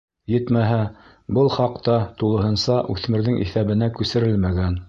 Етмәһә, был хаҡ та тулыһынса үҫмерҙең иҫәбенә күсерелмәгән.